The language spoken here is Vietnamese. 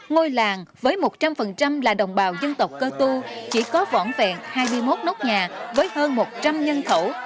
ngôi làng với một trăm linh là đồng bào dân tộc cơ tu chỉ có vỏn vẹn hai mươi một nốt nhà với hơn một trăm linh nhân khẩu